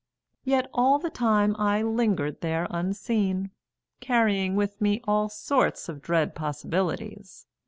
Yet all the time I lingered there unseen, carrying with me all sorts of dread possibilities.